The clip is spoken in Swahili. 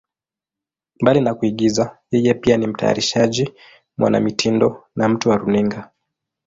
Mbali na kuigiza, yeye pia ni mtayarishaji, mwanamitindo na mtu wa runinga.